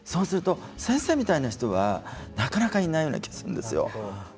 先生みたいな人はなかなかいないような気がするんですよ。